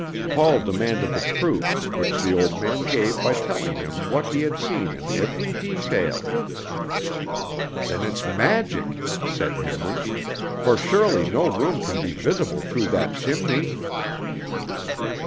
Paul demanded the proof, which the old man gave by telling him what he had seen in every detail. "Then it's magic!" said Henley, "for surely no room can be visible through that chimney."